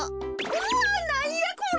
うわっなんやこれ！？